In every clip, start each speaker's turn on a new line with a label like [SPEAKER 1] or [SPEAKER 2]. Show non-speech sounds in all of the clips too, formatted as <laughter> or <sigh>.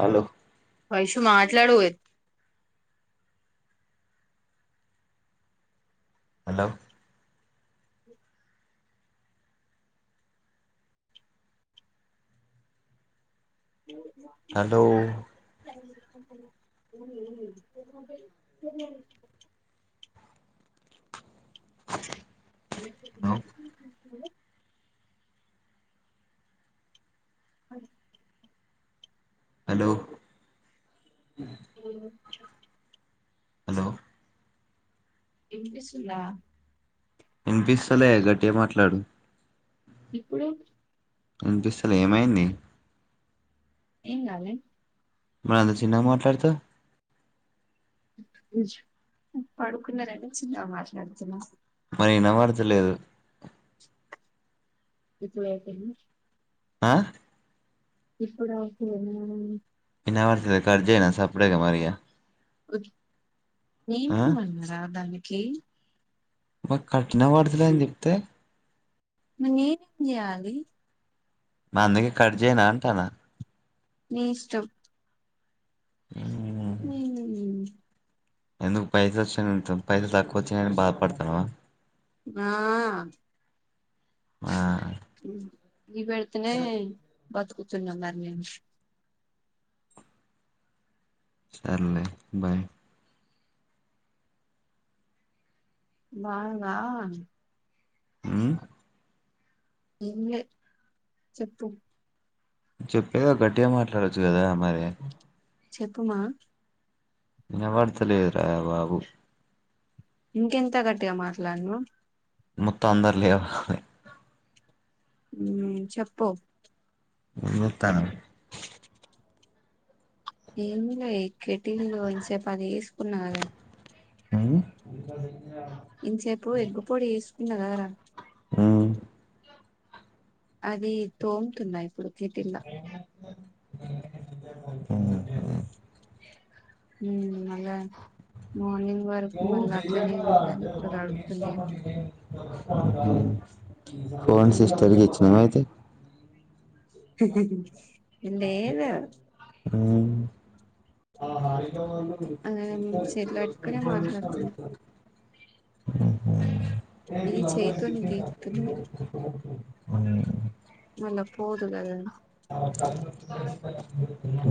[SPEAKER 1] Hello
[SPEAKER 2] Vaishu మాట్లాడు
[SPEAKER 1] hello hello
[SPEAKER 2] ఇ
[SPEAKER 1] hello hello
[SPEAKER 2] వినిపిస్తుందా
[SPEAKER 1] వినిపిస్తలే గటగా మాట్లాడు
[SPEAKER 2] ఇప్పుడు
[SPEAKER 1] అనిపిస్తలే ఏమైంది
[SPEAKER 2] ఏం కాల
[SPEAKER 1] మరి అంత చిన్నగ మాట్లాడుతావ్
[SPEAKER 2] పడుకున్న రని చిన్నగా మాట్లాడుతున్న
[SPEAKER 1] మరి వినవర్త లేదు
[SPEAKER 2] ఎప్పుడైతే ఏమి
[SPEAKER 1] ఆ
[SPEAKER 2] ఇప్పుడు ఓకే ఆ
[SPEAKER 1] నివస కట్ చేయనా సప్పుడేగా మరి ఇగ
[SPEAKER 2] అ
[SPEAKER 1] ఆ
[SPEAKER 2] నేనే మన్నారా దాన్ని కి
[SPEAKER 1] మాకు కట్టినా పడుతులే అని చెప్తే
[SPEAKER 2] నేనేం చేయాలి
[SPEAKER 1] మా అందుకే కట్ చేయనా అంటానా
[SPEAKER 2] నీ ఇష్టం ఉమ్
[SPEAKER 1] ఎందుకు పైస వచ్చా పైసలు తక్కువ వచ్చినని బాధపడతానావా
[SPEAKER 2] ఆ
[SPEAKER 1] ఆ
[SPEAKER 2] ది పెడుతునే బతుకుతున్నాం మరి మేము
[SPEAKER 1] సరేలే బాయ్
[SPEAKER 2] బాగా
[SPEAKER 1] హ్మ్
[SPEAKER 2] ఏం లే చెప్పు
[SPEAKER 1] చెప్పే కదా గట్టిగా మాట్లాడొచ్చు కదా మరి
[SPEAKER 2] చెప్పు మా
[SPEAKER 1] ఇనబడుతా లేదు రా బాబు
[SPEAKER 2] ఇంకెంత గట్టిగా మాట్లాడను
[SPEAKER 1] మొత్తం అందరు లేహ్ వాలి
[SPEAKER 2] మ్మ్ చెప్పు
[SPEAKER 1] ఏం జూత్తనవే
[SPEAKER 2] ఏమి లే కెటిల్లో ఇంసేపు అది వేసుకున్న కదే
[SPEAKER 1] హ్మ్
[SPEAKER 2] ఇంతసేపు ఎగ్గు పొడి వేసు ఇన్న కదా రా
[SPEAKER 1] ఉమ్
[SPEAKER 2] అది తోముతున్నా ఇప్పుడు కెటిల్ లా
[SPEAKER 1] ఉహుం
[SPEAKER 2] ఉమ్ మళ్ళ మార్నింగ్ వరకు మళ్ళా అట్లనే ఉంటదని ఇప్పుడు కడుగుతున్నా
[SPEAKER 1] అ ఫోన్ సిస్టర్ కి ఇచ్చినావ అయితే
[SPEAKER 2] హాహా ఇందేదు
[SPEAKER 1] మ్మ్
[SPEAKER 2] ఆ చేతిలో పెట్టుకునే
[SPEAKER 1] మ్మ్
[SPEAKER 2] మాట్లాడుతున్నా
[SPEAKER 1] ఆ
[SPEAKER 2] ఇది చేయితోని గీకుతున్నా
[SPEAKER 1] మ్మ్
[SPEAKER 2] మళ్ళా పోదు కదా అది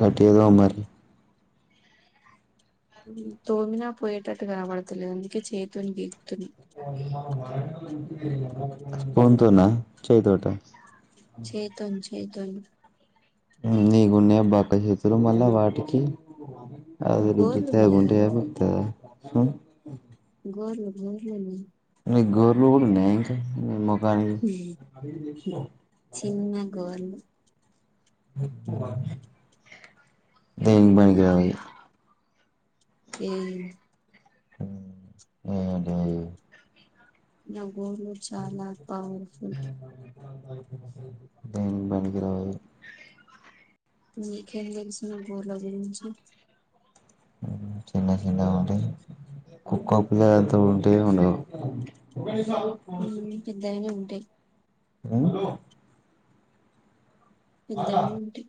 [SPEAKER 1] గట్టిగా తోము మరి
[SPEAKER 2] మ్మ్ తోమినా పోయేటట్టుగా కపడతులే అందుకే చేతున్ కి తిన్
[SPEAKER 1] స్పూన్ తోనా చేయ్ తోటె
[SPEAKER 2] చైతోన్ చేయ్ తోని
[SPEAKER 1] మ్మ్ నీకున్నేయే బక్క చేతులు మళ్ళా వాటికి అవి
[SPEAKER 2] గోర్లు
[SPEAKER 1] రుద్దుతే
[SPEAKER 2] ఉన్నాయి కదా
[SPEAKER 1] ఉంటయా పోతాయా <unintelligible>
[SPEAKER 2] గోర్లు గోర్లున్నాయ్
[SPEAKER 1] నీకు గోర్లు కూడా ఉన్నాయా నీ మోము బానే
[SPEAKER 2] ఉమ్,
[SPEAKER 1] బిగ్
[SPEAKER 2] చిన్న గోర్లు
[SPEAKER 1] <unintelligible> దేనికి బనికి రాదు
[SPEAKER 2] మ్మ్
[SPEAKER 1] మ్మ్ అదేలే
[SPEAKER 2] నవ్ గోళ్లు చాలా పవర్ఫుల్
[SPEAKER 1] దేనికి బనికి రావు
[SPEAKER 2] నీకేం తెలుసు గోర్ల గురించి
[SPEAKER 1] మ్మ్ చిన్న చిన్నగా ఉంటే <unintelligible> ఉంటయో ఉండవో.
[SPEAKER 2] మ్మ్ పెద్దగానే ఉంటయ్
[SPEAKER 1] ఉండవ్
[SPEAKER 2] పిల్తనే ఉంటయ్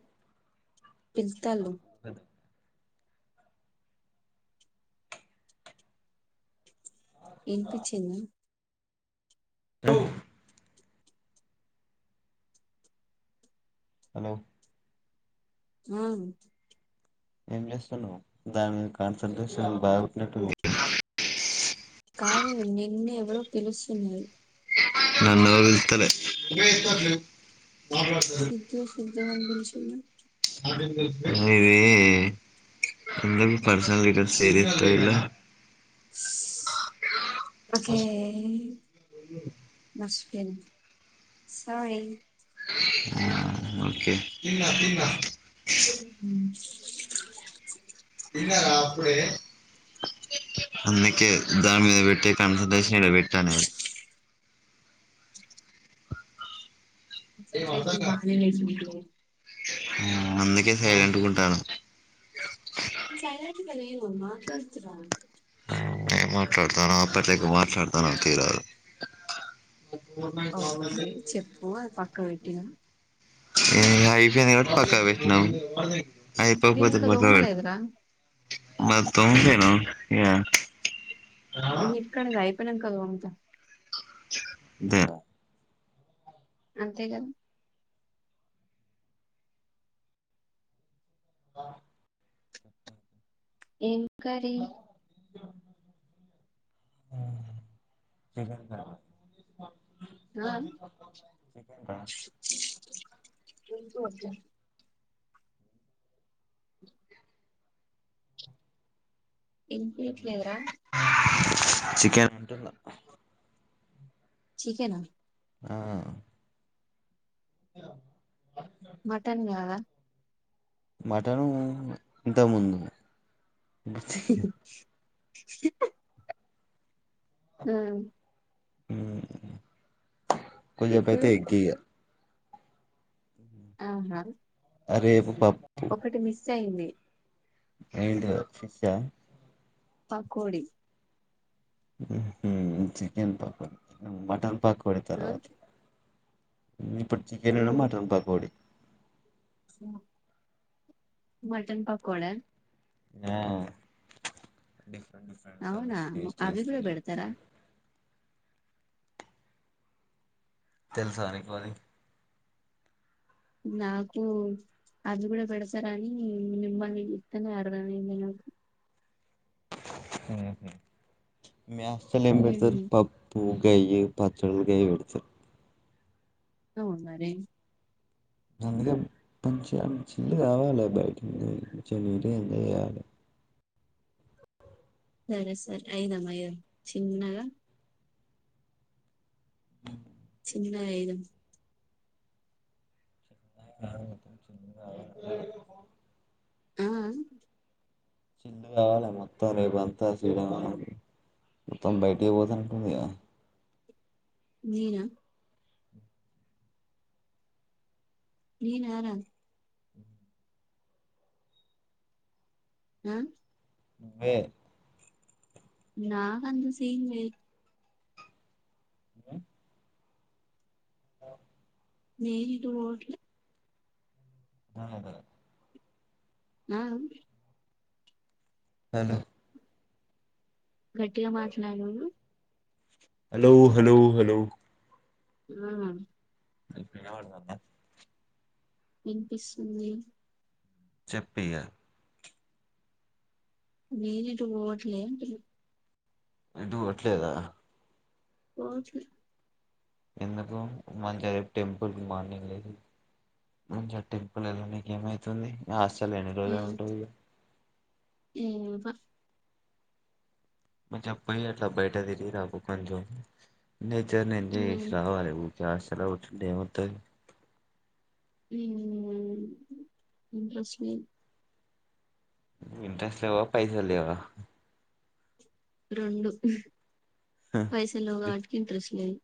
[SPEAKER 2] పిల్తల్లు ఇనిపించ్చిందా
[SPEAKER 1] లో హలో
[SPEAKER 2] హ్మ్
[SPEAKER 1] ఏం చేస్తున్నావ్ దానిమీద కాన్సన్ ట్రేషన్ బాగు పెట్టినట్టున్నవ్
[SPEAKER 2] కాదు నిన్నే ఎవరో పిలుస్తున్నారు
[SPEAKER 1] నన్ను ఎవరు పిల్తలే
[SPEAKER 2] సిద్ధు సిద్ధు అని బిలుచు టేనా
[SPEAKER 1] అ యే ఎందుకు పర్సనల్ గా ఇట సీరియస్ అయినావ్
[SPEAKER 2] ఓకే బస్ ఎన్ సాయన్
[SPEAKER 1] మ్మ్ ఓకే తిన్నా తిన్నా
[SPEAKER 2] మ్మ్ హ్మ్
[SPEAKER 1] అందుకే ద్దానిమీద పెట్టే కాన్సన్ ట్రేషన్ ఈడ వెట్టు అనేది.
[SPEAKER 2] ఒకసారి చేసింటి బానే చేసింటి
[SPEAKER 1] ఆ అందకే సైలెంట్ గుంటాను
[SPEAKER 2] చైలెంట్ గా లేను మాట్లాడుతునా
[SPEAKER 1] ఏం మాట్లాడతానా <unintelligible> మాట్లాడతానవ్ తీరాదు గవర్నమెంట్
[SPEAKER 2] ఓకే
[SPEAKER 1] గవర్నమెంట్
[SPEAKER 2] చెప్పు ఆ పక్క పెటినా
[SPEAKER 1] ఉమ్ ఐపోయింది కాబట్టి పక్కకు పెట్టినం
[SPEAKER 2] నేను
[SPEAKER 1] అయిపోకపోతే
[SPEAKER 2] ఇంకా
[SPEAKER 1] పక్క
[SPEAKER 2] దోమలేదురా
[SPEAKER 1] <inaudible> <unintelligible>
[SPEAKER 2] ఇక్కడదాయ్ పనంక వోంపా
[SPEAKER 1] దే
[SPEAKER 2] అంతేగా
[SPEAKER 1] ఆ
[SPEAKER 2] ఊ కరి
[SPEAKER 1] హ్మ్ <unintelligible> చకెన్
[SPEAKER 2] ఇంకోటి ఇంపియట్లేదురా
[SPEAKER 1] చికెన్ ఉంటుందా
[SPEAKER 2] చికెనా
[SPEAKER 1] ఆ
[SPEAKER 2] మటన్ గాదా
[SPEAKER 1] మటను ఇంతకు ముందు
[SPEAKER 2] <unintelligible>
[SPEAKER 1] హ్మ్ కొంచెపు
[SPEAKER 2] ఇప్పుడు
[SPEAKER 1] ఎగ్ ఇగ
[SPEAKER 2] ఆహా
[SPEAKER 1] అరేపు పప్
[SPEAKER 2] ఒకటి మిస్ సైంది
[SPEAKER 1] వీడియో ఫిఫ
[SPEAKER 2] పక్కోడి
[SPEAKER 1] హ్మ్ హు చికెన్ పకోడ మటన్ పకో పడి
[SPEAKER 2] ఆ
[SPEAKER 1] తర్వాత ఇప్పుడు చికెన్
[SPEAKER 2] ఆ
[SPEAKER 1] మటన్ పకోడీ
[SPEAKER 2] మటన్ పకోడా
[SPEAKER 1] అ
[SPEAKER 2] అవునా అవి కూడా పెడతారా
[SPEAKER 1] తెలుసా నీకు అది
[SPEAKER 2] నాకు అది కూడా పెడతార అని మిమ్మల్ని చూస్తేనే అర్థం అయింది నాకు
[SPEAKER 1] హ్మ్ హు మీ హాస్టల్లో ఏం
[SPEAKER 2] ఉమ్
[SPEAKER 1] పెడతారు పప్పు కై పచ్చడి కై పెడ్తారు
[SPEAKER 2] హ్మ్ మరి
[SPEAKER 1] అందుకే మంచి ఛిల్ల్ కావాలి బయటికి పోయి ముచ్చట్లు పెట్టి ఎంజాయ్ చెయ్యాలి
[SPEAKER 2] సరే సరే ఐదుమ్మయ్య చిన్నగా
[SPEAKER 1] అ
[SPEAKER 2] తిన్నఐదు
[SPEAKER 1] హ హ <unintelligible>
[SPEAKER 2] ఆ
[SPEAKER 1] చిల్లు కావాలే మొత్తం రేపు అంతా శ్రీరామనవమి మొత్తం బయటి పోతునటుందిగా
[SPEAKER 2] నేనా నేనారా హ
[SPEAKER 1] నువ్వే
[SPEAKER 2] నాకంత సీన్ లేదు
[SPEAKER 1] వద అ
[SPEAKER 2] మీడు
[SPEAKER 1] హ అద
[SPEAKER 2] ఆ
[SPEAKER 1] అను
[SPEAKER 2] గట్టిగా మాట్లాడు
[SPEAKER 1] హలో హలో హలో
[SPEAKER 2] హ్మ్
[SPEAKER 1] ఏం పినపడతాంటానా
[SPEAKER 2] వినిపిస్తుంది
[SPEAKER 1] చెప్పు ఇగ
[SPEAKER 2] నేను ఎటు వోవట్లే అంటున్న
[SPEAKER 1] ఎటువోట్లేదా
[SPEAKER 2] పోవట్లే
[SPEAKER 1] ఎందుకు మంచిగా రేపు టెంపుల్ కి మార్నింగ్ లేసి మంచిగా ఆ టెంపుల్ ఎళ్ళనికి ఏమైతుంది నీ ఆస్తి తల్ ఎన్ని
[SPEAKER 2] ఏ
[SPEAKER 1] రోజులనీ ఉంటావు ఇగ
[SPEAKER 2] ఏ ప
[SPEAKER 1] మంచిగ పోయి అట్లా బైట తిరిగి రాపో కొంచెం నేచర్ ని ఎంజాయి చేసి రావాలే ఉ ఉత్తగా హాస్టల కూర్చుంటే ఏం మత్తది
[SPEAKER 2] <unintelligible> ఇంట్రెస్ట్ లేదు
[SPEAKER 1] ఇంట్రెస్ట్ లేవా పైసలు లేవా
[SPEAKER 2] రొండు పైసలు లేవు గాటికి ఇంట్రెస్ట్ లేదు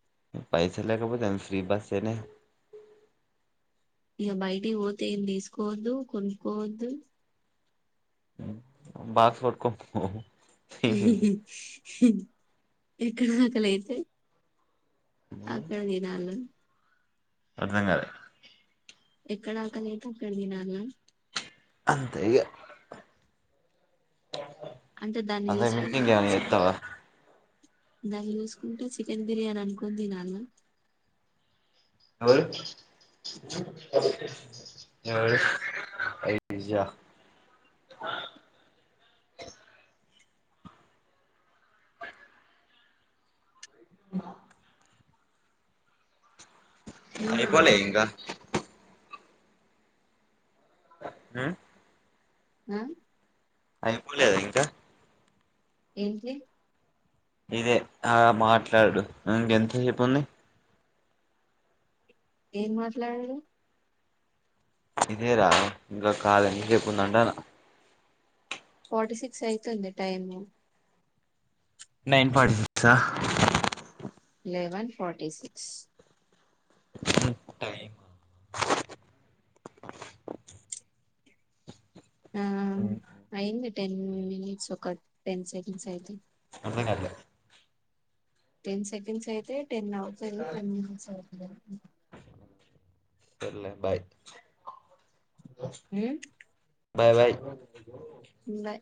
[SPEAKER 1] పైసలు లేకపోతే ఏం ఫ్రీ బస్సే నే
[SPEAKER 2] ఇగా బయటి పోతే ఏం తీసుకోవద్దు కొనుక్కోవద్దు
[SPEAKER 1] బాక్స్ వట్కోనీ పో
[SPEAKER 2] ఎక్కడ ఆకలయితే అక్కడ తినాల
[SPEAKER 1] అర్ధంగాలే
[SPEAKER 2] ఎక్కడ ఆకలైతే అక్కడ తినాల
[SPEAKER 1] అంతే ఇగ
[SPEAKER 2] అంటే దాన్ని
[SPEAKER 1] అంతకు మించి
[SPEAKER 2] చూసుకుంట
[SPEAKER 1] ఇంకేమైనా
[SPEAKER 2] అచ్చినా
[SPEAKER 1] చేస్తావా
[SPEAKER 2] దాన్ని చూసుకుంటు చికెన్ బిర్యానీ అనుకోనీ దినాలా
[SPEAKER 1] <unintelligible>
[SPEAKER 2] ఏమేమి
[SPEAKER 1] అయిపోలే ఇంగా ఊ
[SPEAKER 2] ఆ
[SPEAKER 1] అయ పోలేదా ఇంకా
[SPEAKER 2] ఏంటి
[SPEAKER 1] ఇదే ఆ మాట్లాడు ఇంకెంతసేపుంది
[SPEAKER 2] ఎమ్ మాట్లాడుడు
[SPEAKER 1] ఇదే రా ఇంకా కాల్ ఎంజేపు ఉందంటనా
[SPEAKER 2] ఫార్టీ సిక్స్ అయితుంది టైము
[SPEAKER 1] నైన్ ఫార్టీ సిక్సా
[SPEAKER 2] లెవెన్ ఫర్టీ సిక్స్
[SPEAKER 1] టైమా
[SPEAKER 2] ఆ అవును అయింది టెన్ మీనిట్స్ ఒక టెన్ సెకండ్స్ అయితే
[SPEAKER 1] అర్థం కాట్లే
[SPEAKER 2] టెన్ సెకండ్స్ అయితే టెన్ ఔ చెల్లి <inaudible>
[SPEAKER 1] సర్లే బాయ్
[SPEAKER 2] హ
[SPEAKER 1] బాయ్ బాయ్
[SPEAKER 2] ఉండై